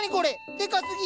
でかすぎ！